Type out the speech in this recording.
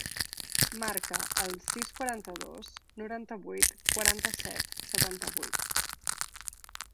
Marca el sis, quaranta-dos, noranta-vuit, quaranta-set, setanta-vuit.